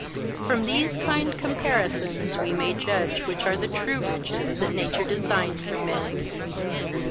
From these kind of comparisons we may judge which are the true riches that nature designed for men."